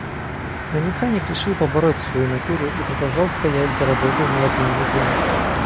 Но механик решил побороть свою натуру и продолжал стоять за работой на одной ноге.